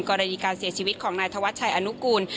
กรณีการเสียชีวิตของนายธวัชชัยอนุกูล